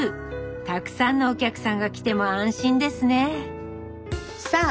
たくさんのお客さんが来ても安心ですねさあ